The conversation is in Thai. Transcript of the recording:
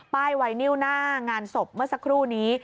ไวนิวหน้างานศพเมื่อสักครู่นี้